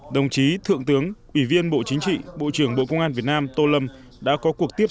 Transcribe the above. đồng chí thượng tướng ủy viên bộ chính trị bộ trưởng bộ công an việt nam tô lâm đã có cuộc tiếp